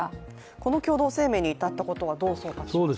この共同声明に至ったことはどう総括しますか？